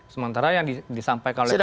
sementara yang disampaikan oleh